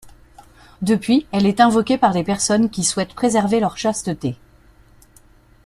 Depuis, elle est invoquée par les personnes qui souhaitent préserver leur chasteté.